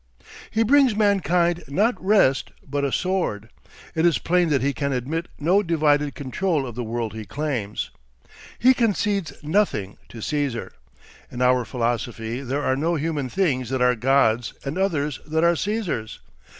He brings mankind not rest but a sword. It is plain that he can admit no divided control of the world he claims. He concedes nothing to Caesar. In our philosophy there are no human things that are God's and others that are Caesar's.